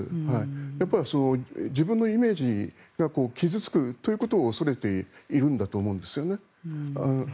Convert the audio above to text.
やっぱり自分のイメージが傷付くということを恐れていると思うんですよね。